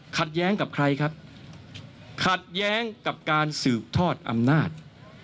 ขัดแย้งกับใครครับขัดแย้งกับการสืบทอดอำนาจ